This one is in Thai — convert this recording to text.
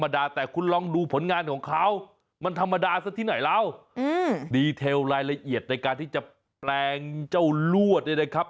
ดูผลงานของเขามันธรรมดาสักทีไหนแล้วดีเทลลายละเอียดในการที่จะแปลงเจ้าลวดเลยนะครับ